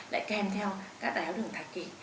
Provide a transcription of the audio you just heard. lại kèm theo các đáy áo đường thạch kỷ